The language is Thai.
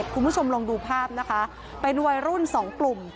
คุณผู้ชมลองดูภาพนะคะเป็นวัยรุ่นสองกลุ่ม